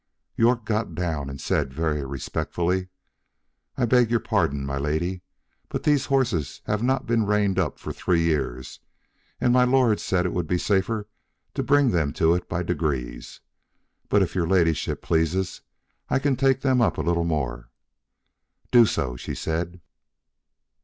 York got down, and said very respectfully, "I beg your pardon, my lady, but these horses have not been reined up for three years, and my lord said it would be safer to bring them to it by degrees; but, if your ladyship pleases, I can take them up a little more." "Do so," she said.